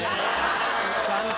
ちゃんと。